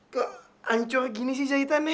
keancur gini sih jahitannya